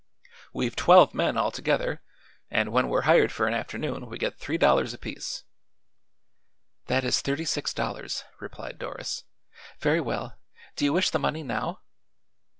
"We've twelve men, altogether, and when we're hired for an afternoon we get three dollars apiece." "That is thirty six dollars," replied Doris. "Very well; do you wish the money now?"